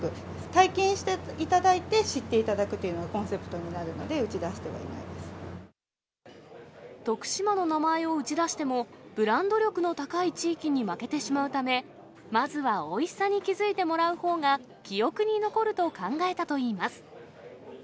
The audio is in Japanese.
体験していただいて、知っていただくというのがコンセプトになるので、打ち出してはい徳島の名前を打ち出しても、ブランド力の高い地域に負けてしまうため、まずはおいしさに気付いてもらうほうが、記憶に残ると考えたといいます。